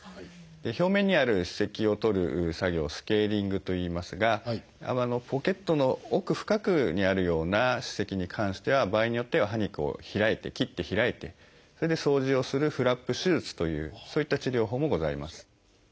表面にある歯石を取る作業をスケーリングといいますがポケットの奥深くにあるような歯石に関しては場合によっては歯肉を開いて切って開いてそれで掃除をするフラップ手術というそういった治療法もございます。